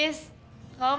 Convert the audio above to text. bisa gak nyuruh nukul